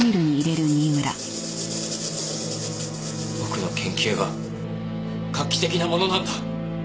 僕の研究は画期的なものなんだ。